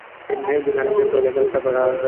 যদি হারে যাস, তাহলে, একবার নয় চার হাজার বার হারবি।